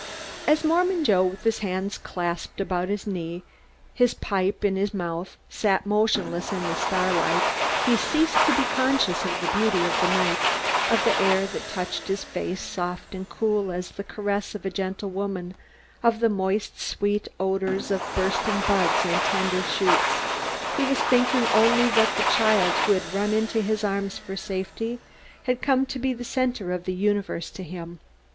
As Mormon Joe, with his hands clasped about his knee, his pipe dead in his mouth, sat motionless in the starlight, he ceased to be conscious of the beauty of the night, of the air that touched his face, soft and cool as the caress of a gentle woman, of the moist sweet odors of bursting buds and tender shoots he was thinking only that the child who had run into his arms for safety had come to be the center of the universe to him.